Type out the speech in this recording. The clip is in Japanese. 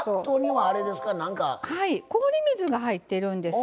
はい氷水が入ってるんですよ。